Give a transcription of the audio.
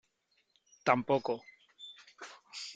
tampoco .